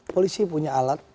polisi punya alat